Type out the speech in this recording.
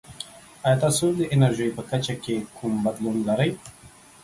ایا تاسو د انرژي په کچه کې کوم بدلون لرئ؟